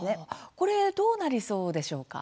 これどうなりそうでしょうか？